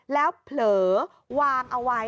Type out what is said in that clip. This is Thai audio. แล้วเผลอวางเอาไว้